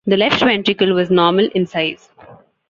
The left ventricle was normal in size.